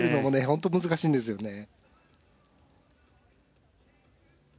本当難しいんですよね。